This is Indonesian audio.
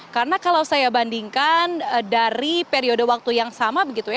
karena kalau saya bandingkan dari periode waktu yang sama begitu ya